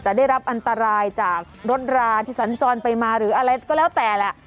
ได้รับอันตรายจากรถราที่สัญจรไปมาหรืออะไรก็แล้วแต่แหละ